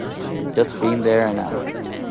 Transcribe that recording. Just been here an hour.